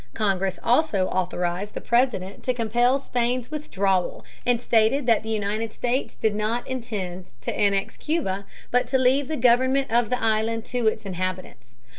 Congress also authorized the President to compel Spain's withdrawal and stated that the United States did not intend to annex Cuba, but to leave the government of the island to its inhabitants.